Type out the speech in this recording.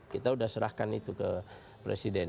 kita sudah serahkan itu ke presiden